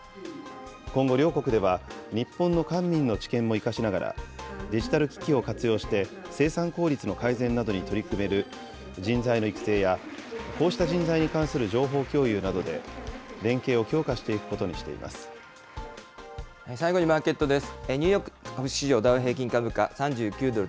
今後、両国では日本の官民の知見も生かしながら、デジタル機器を活用して生産効率の改善などに取り組める人材の育成や、こうした人材に関する情報共有などで、連携を強化していく最後にマーケットです。